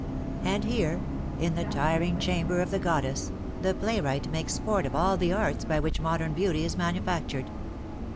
And here, in the tiring chamber of the goddess, the playwright makes sport of all the arts by which modern beauty is manufactured.